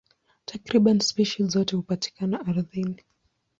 Takriban spishi zote hupatikana ardhini.